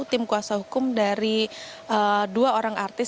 tim kuasa hukum dari dua orang artis